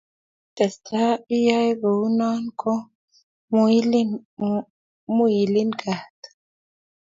Ye i testai iyoe kou noe ko muilin kaat